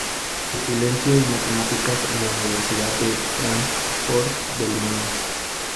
Se licenció en matemáticas en la Universidad de Fráncfort del Meno.